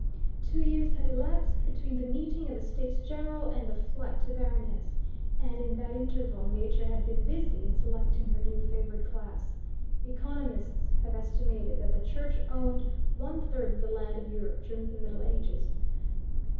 Two years had elapsed between the meeting of the States General and the flight to Varennes, and in that interval nature had been busy in selecting her new favored class. Economists have estimated that the Church owned one third of the land of Europe during the Middle Ages.